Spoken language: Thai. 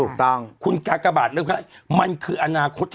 ถูกต้องคุณกากบาทเลือกทั้งนี้มันคืออนาคต